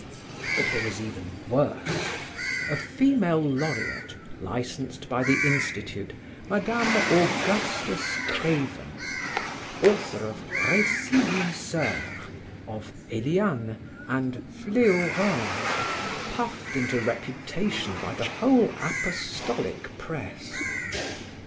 But there was even worse: a female laureate licensed by the Institute, Madame Augustus Craven, author of Recit d'une soeur, of Eliane and Fleaurange, puffed into reputation by the whole apostolic press.